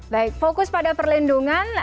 baik fokus pada perlindungan